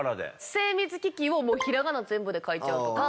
「精密機器」を平仮名全部で書いちゃうとか。